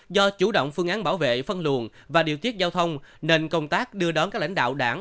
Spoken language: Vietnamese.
do chủ động phương án bảo vệ phân luồng và điều tiết giao thông nên công tác đưa đón các lãnh đạo đảng